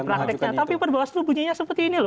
oke praktiknya tapi perbawaslu bunyinya seperti ini loh